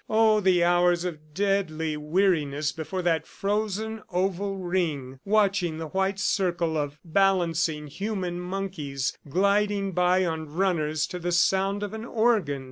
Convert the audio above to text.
Oh, the hours of deadly weariness before that frozen oval ring, watching the white circle of balancing human monkeys gliding by on runners to the sound of an organ!